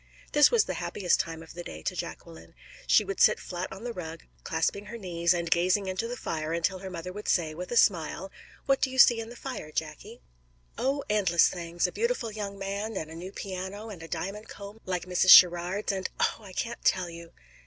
This was the happiest time of the day to Jacqueline. She would sit flat on the rug, clasping her knees, and gazing into the fire until her mother would say, with a smile: "What do you see in the fire, Jacky?" "Oh, endless things a beautiful young man, and a new piano, and a diamond comb like Mrs. Sherrard's, and Oh, I can't tell you!"